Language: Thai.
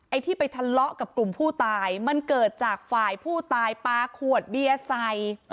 ที่ไปทะเลาะกับกลุ่มผู้ตายมันเกิดจากฝ่ายผู้ตายปลาขวดเบียร์ใส่